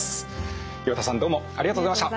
岩田さんどうもありがとうございました。